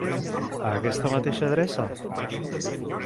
A aquesta mateixa adreça?